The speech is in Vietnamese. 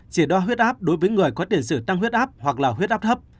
chỉ đo huyết áp đối với người có tiền sử tăng huyết áp hoặc là huyết áp thấp